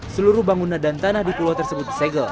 seluruh bangunan dan tanah di pulau tersebut disegel